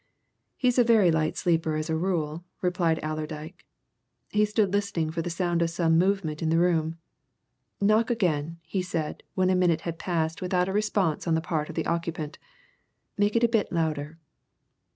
"He's a very light sleeper as a rule," replied Allerdyke. He stood listening for the sound of some movement in the room: "Knock again," he said, when a minute had passed without response on the part of the occupant. "Make it a bit louder."